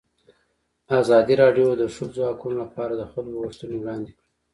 ازادي راډیو د د ښځو حقونه لپاره د خلکو غوښتنې وړاندې کړي.